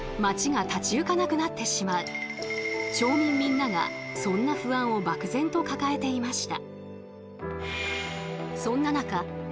町民みんながそんな不安を漠然と抱えていました。